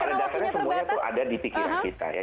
karena dasarnya semuanya ada di pikiran kita ya